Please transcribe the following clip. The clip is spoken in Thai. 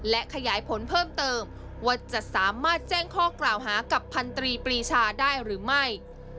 และขยายผลเพิ่มเติมว่าจะสามารถแจ้งข้อกล่าวหากับพันธรีปรีชาได้หรือไม่